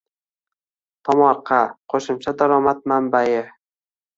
Tomorqa – qo‘shimcha daromad manbaing